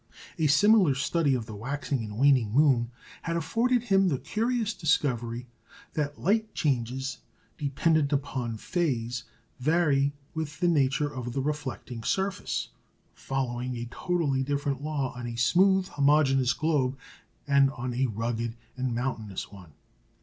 A similar study of the waxing and waning moon had afforded him the curious discovery that light changes dependent upon phase vary with the nature of the reflecting surface, following a totally different law on a smooth homogeneous globe and on a rugged and mountainous one.